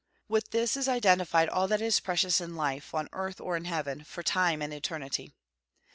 With this is identified all that is precious in life, on earth or in heaven, for time and eternity.